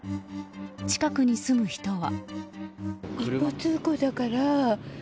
近くに住む人は。